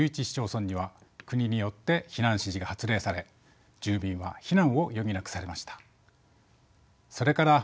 市町村には国によって避難指示が発令され住民は避難を余儀なくされました。